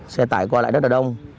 xe tải qua lại rất là đông